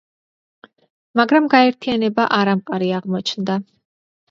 მაგრამ გაერთიანება არამყარი აღმოჩნდა.